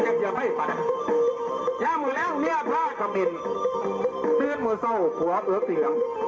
โอ๊ยสวยสวยสวย